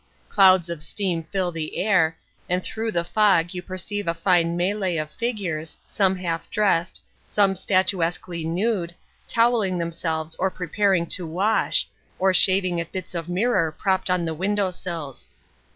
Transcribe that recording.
Clouds of steam fill the air, and through the fog you perceive a fine mêlée of figures, some half dressed, some statuesquely nude, towelling themselves or preparing to wash, or shaving at bits of mirror propped on the window sills.